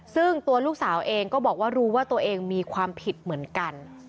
ซึ่งตัวลูกสาวเองก็บอกว่ารู้ว่าตัวเองมีความผิดเหมือนกัน